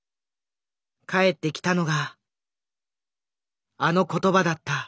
返ってきたのがあの言葉だった。